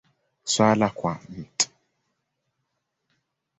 Sala kwa Mt.